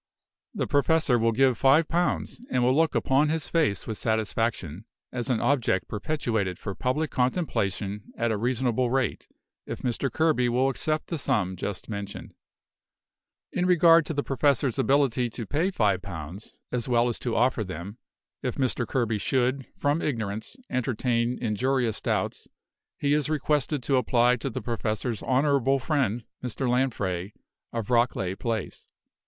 "The Professor will give five pounds; and will look upon his face with satisfaction, as an object perpetuated for public contemplation at a reasonable rate, if Mr. Kerby will accept the sum just mentioned. "In regard to the Professor's ability to pay five pounds, as well as to offer them, if Mr. Kerby should, from ignorance, entertain injurious doubts, he is requested to apply to the Professor's honorable friend, Mr. Lanfray, of Rockleigh Place."